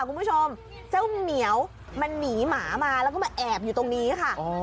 คุณผู้ชมเจ้าเหมียวมันหนีหมามาแล้วก็มาแอบอยู่ตรงนี้ค่ะ